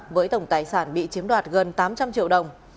với tổng tài sản bị chiếm đoạt gần tám trăm linh triệu đồng